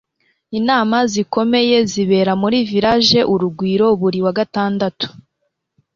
inama zikomeye zibera muri village urugwiro buri wa gatandatu